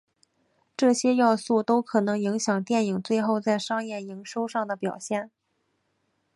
这些要素都可能影响电影最后在商业营收上的表现。